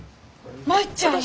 舞ちゃんや。